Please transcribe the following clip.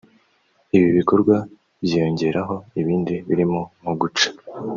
Ibi bikorwa byiyongeraho ibindi birimo nko guca